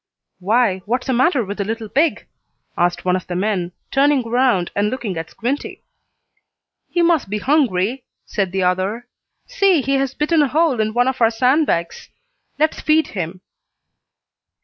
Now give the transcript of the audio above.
"Why, what's the matter with the little pig?" asked one of the men, turning around and looking at Squinty. "He must be hungry," said the other. "See, he has bitten a hole in one of our sand bags. Let's feed him."